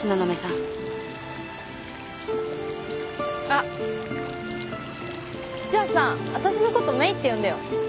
あっじゃあさわたしのことメイって呼んでよ。